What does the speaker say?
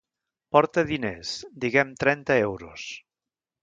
Porta diners, diguem trenta euros.